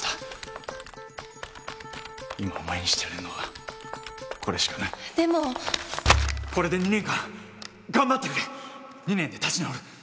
今お前にしてやれるのはこれしかないでもこれで２年間頑張ってくれ２年で立ち直る。